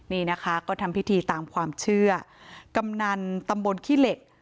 นี่นะคะก็ทำพิธีตามความเชื่อกำนันตำบลขี้เหล็ก